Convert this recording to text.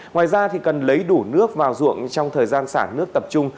ngoài ra thì cần lấy đủ nước vào ruộng trong thời gian sản nước tập trung